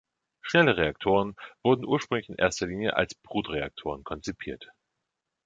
Schnelle Reaktoren wurden ursprünglich in erster Linie als Brutreaktoren konzipiert.